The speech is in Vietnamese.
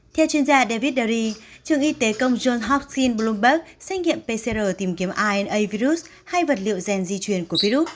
theo chuyên gia david derry trường y tế công john hopkins bloomberg xét nghiệm pcr tìm kiếm rna virus hay vật liệu gen di truyền của virus